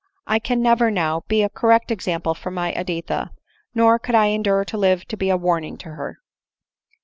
I can never, now, be a correct example for my Editha, nor could I endure to live to be a warning to her.